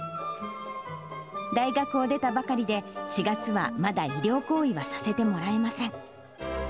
大学を出たばかりで、４月はまだ医療行為はさせてもらえません。